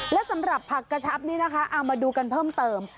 และสำหรับผักกระชับนี้นะคะเอามาดูกันเพิ่มเติม